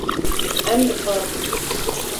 Em dixwazin